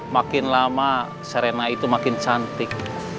makin lama serena itu makin cantik